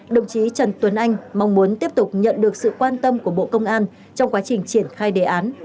đồng chí trần tuấn anh mong muốn tiếp tục nhận được sự quan tâm của bộ công an trong quá trình triển khai đề án